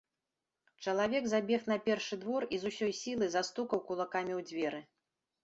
Чалавек забег на першы двор і з усёй сілы застукаў кулакамі ў дзверы.